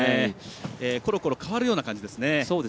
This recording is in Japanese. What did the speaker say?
ころころ変わるような感じですね。